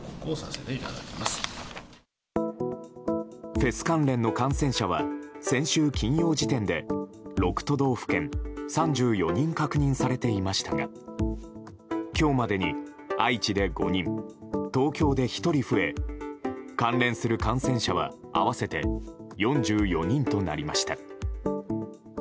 フェス関連の感染者は先週金曜時点で６都道府県３４人確認されていましたが今日までに、愛知で５人東京で１人増え関連する感染者は合わせて４４人となりました。